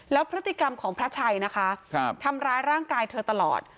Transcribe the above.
แล้วพฤติกรรมของพระชัยนะคะทำร้ายร่างกายเธอตลอด